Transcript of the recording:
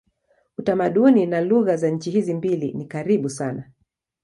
Utamaduni na lugha za nchi hizi mbili ni karibu sana.